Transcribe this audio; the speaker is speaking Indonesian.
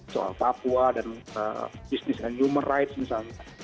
soal papua dan bisnis dan human rights misalnya